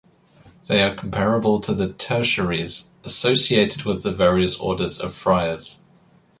They are comparable to the tertiaries associated with the various Orders of friars.